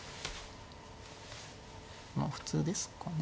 まあ普通ですかね。